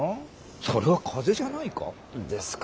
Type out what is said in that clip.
それは風邪じゃないか？